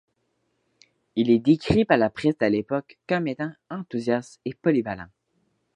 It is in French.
Il est décrit par la presse de l'époque comme étant enthousiaste et polyvalent.